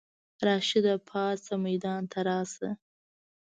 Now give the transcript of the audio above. راشده پاڅه ميدان ته راشه!